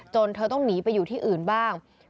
เธอต้องหนีไปอยู่ที่อื่นบ้าง